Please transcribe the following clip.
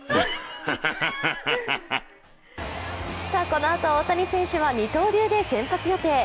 このあと、大谷選手は二刀流で先発予定。